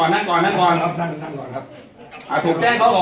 ตำรวจแห่งมือ